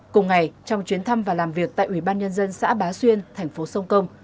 cùng ngày trong chuyến thăm và làm việc tại ủy ban nhân dân xã bá xuyên thành phố sông công